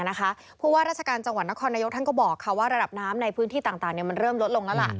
เพราะว่าราชการจังหวัดนครนายกท่านก็บอกว่าระดับน้ำในพื้นที่ต่างมันเริ่มลดลงแล้วล่ะ